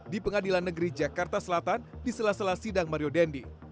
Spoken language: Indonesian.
di pengadilan negeri jakarta selatan di sela sela sidang mario dendi